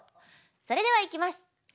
それではいきます。